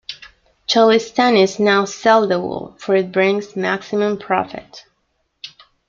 Cholistanis now sell the wool for it brings maximum profit.